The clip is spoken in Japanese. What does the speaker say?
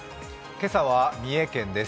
今朝は三重県です。